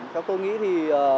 theo cô nghĩ thì